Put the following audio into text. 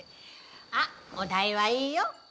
あっお代はいいよ。